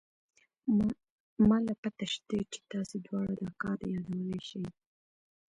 ما له پته شتې چې تاسې دواړه دا كار يادولې شې.